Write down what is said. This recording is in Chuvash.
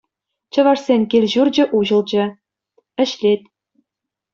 Чӑвашсен кил-ҫурчӗ уҫӑлчӗ, ӗҫлет.